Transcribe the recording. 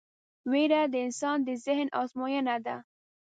وېره د انسان د ذهن ازموینه ده.